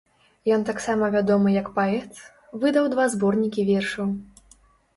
Ён таксама вядомы як паэт, выдаў два зборнікі вершаў.